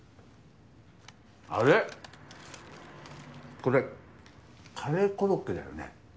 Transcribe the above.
これカレーコロッケだよね？